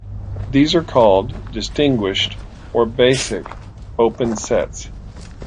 These are called "distinguished" or "basic" open sets.